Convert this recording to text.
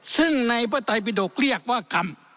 ซึ่งในปฏิบิโดกเรียกว่ากรรม